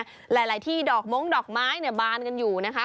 หลายที่ดอกม้งดอกไม้เนี่ยบานกันอยู่นะคะ